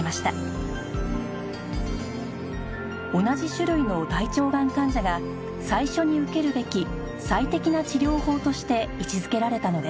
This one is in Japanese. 同じ種類の大腸がん患者が最初に受けるべき最適な治療法として位置づけられたのです